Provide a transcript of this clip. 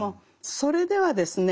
それではですね